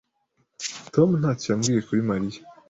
Tom ntacyo yambwiye kuri Mariya.